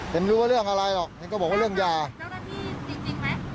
ไม่รู้ว่าเรื่องอะไรหรอกเห็นก็บอกว่าเรื่องยาเจ้าหน้าที่จริงจริงไหม